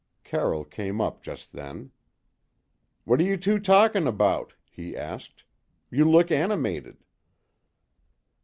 Carroll came up just then. "What are you two talking about?" he asked. "You look animated."